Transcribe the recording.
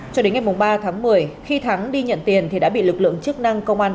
cho đến ngày ba tháng một mươi khi thắng đi nhận tiền thì đã bị lực lượng chức năng công an